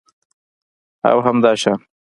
او همداشان